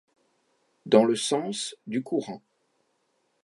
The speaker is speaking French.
Dans le sens du courant.